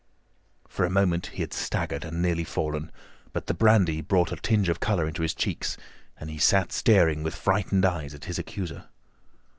For a moment he had staggered and nearly fallen, but the brandy brought a tinge of colour into his cheeks, and he sat staring with frightened eyes at his accuser.